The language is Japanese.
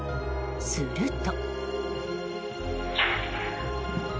すると。